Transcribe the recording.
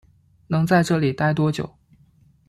能在这里待多久